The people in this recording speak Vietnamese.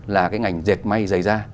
là cái ngành dệt may dày da